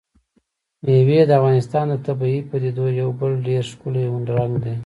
مېوې د افغانستان د طبیعي پدیدو یو بل ډېر ښکلی رنګ دی.